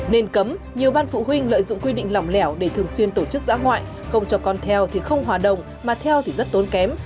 nên cấm nhiều ban phụ huynh lợi dụng quy định lỏng lẻo để thường xuyên tổ chức giã ngoại không cho con theo thì không hòa đồng mà theo thì rất tốn kém